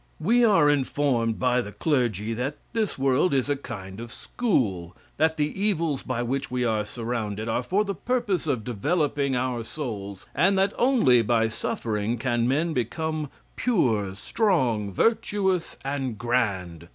We are informed by the clergy that this world is a kind of school; that the evils by which we are surrounded are for the purpose of developing our souls, and that only by suffering can men become pure, strong, virtuous and grand.